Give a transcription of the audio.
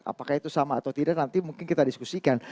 apakah itu sama atau tidak nanti mungkin kita diskusikan